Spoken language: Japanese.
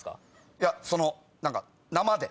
いやその何か生で。